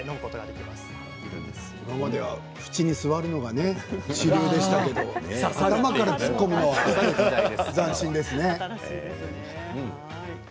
今までは縁に座るのが主流でしたけど頭から突っ込むのは斬新ですね。